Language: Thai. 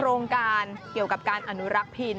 โรงการเกี่ยวกับการอนุรักษ์พิน